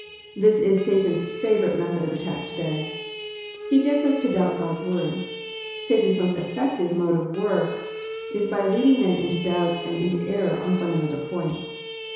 This is Satan's favourite method of attack to day. He gets us to doubt God's Word. Satan's most effective mode of work is by leading men into doubt and into error on fundamental points.